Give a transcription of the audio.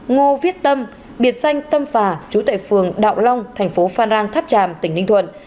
ngô viết tâm biệt danh tâm phà chú tệ phường đạo long thành phố phan rang tháp tràm tỉnh ninh thuận